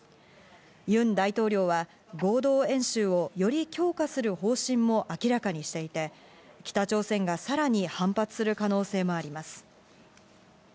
ユン大統領は、合同演習をより強化する方針も明らかにしていて、北朝鮮がさらに反発する可能性もあります。